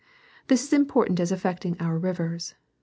f This is important as affecting our rivers.